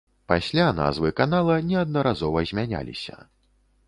Пасля назвы канала неаднаразова змяняліся.